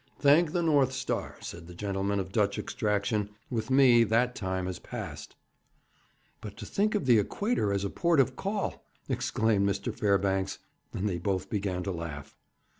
'Thank the North Star,' said the gentleman of Dutch extraction, 'with me that time has passed!' 'But to think of the Equator as a port of call!' exclaimed Mr. Fairbanks; and they both began to laugh.